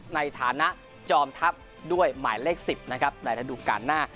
ในฐานะจอมทัพด้วยหมายเลข๑๐นะครับในระดูการหน้า